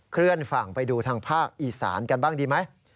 เคลื่อนฝั่งไปดูทางภาคอีสานกันบ้างดีไหม